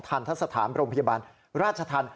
ทันทสถานโรงพยาบาลราชทัน